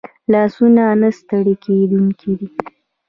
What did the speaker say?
لاسونه نه ستړي کېدونکي دي